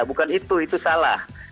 bukan itu itu salah